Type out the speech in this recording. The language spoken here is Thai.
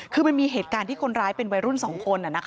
คือมันมีเหตุการณ์ที่คนร้ายเป็นวัยรุ่น๒คน